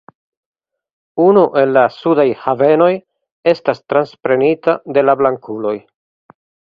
Unu el la sudaj havenoj estas transprenita de la blankuloj.